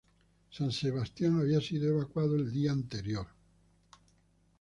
San Sebastián había sido evacuado el día anterior.